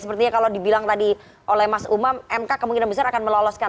sepertinya kalau dibilang tadi oleh mas umam mk kemungkinan besar akan meloloskan